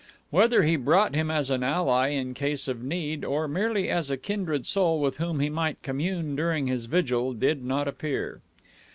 Whether he brought him as an ally in case of need or merely as a kindred soul with whom he might commune during his vigil, did not appear.